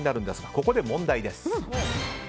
ここで問題です。